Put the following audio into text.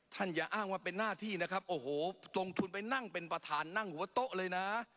อย่าอ้างว่าเป็นหน้าที่นะครับโอ้โหลงทุนไปนั่งเป็นประธานนั่งหัวโต๊ะเลยนะ